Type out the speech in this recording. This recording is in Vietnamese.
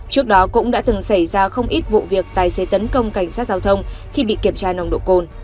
trước đó cũng đã từng xảy ra không ít vụ việc tài xế tấn công cảnh sát giao thông khi bị kiểm tra nồng độ cồn